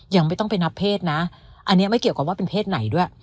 ยังไม่ต้องไปนับเพศนะอันนี้ไม่เกี่ยวกับว่าเป็นเพศไหนด้วย